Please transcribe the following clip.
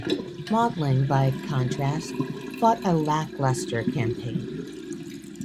Maudling, by contrast, fought a lacklustre campaign.